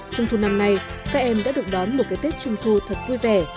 trung thu năm nay các em đã được đón một cái tết trung thu thật vui vẻ